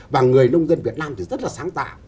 và người nông dân việt nam thì rất là sáng tạo